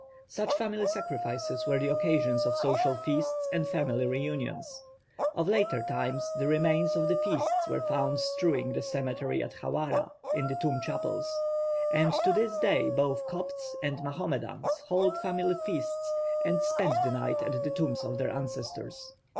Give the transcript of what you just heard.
Such family sacrifices were the occasions of social feasts and family reunions; of later times the remains of the feasts were found strewing the cemetery at Hawara in the tomb chapels; and to this day both Copts and Mohammedans hold family feasts and spend the night at the tombs of their ancestors.